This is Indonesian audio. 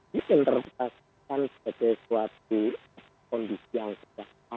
diketerbatasikan sebagai suatu kondisi yang sederhana